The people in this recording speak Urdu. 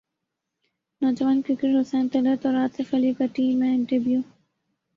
نوجوان کرکٹر حسین طلعت اور اصف علی کا ٹی میں ڈیبیو